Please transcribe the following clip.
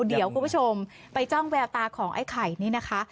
เดี๋ยวคุณผู้ชมไปจ้องแววตาของไอ้ไข่นี่นะคะ